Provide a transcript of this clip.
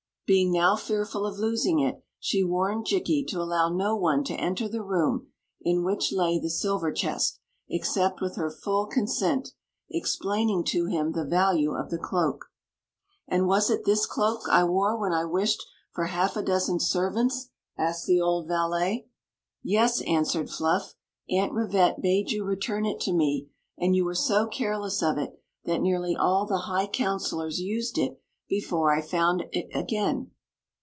Being now fearful of losing it, she warned Jikki to allow no one to enter the room in which lay the silver chest, except with her full con sent, explaining to him the value of the cloak. " And was it this cloak I wore when I wished for half a dozen servants?" asked the old valet. " Yes," answered Fluff; " Aunt Rivette bade you return it to me, and you were so careless of it that ^ nearly all the high counselors used it before I found it again."